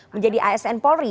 menjadi asn polri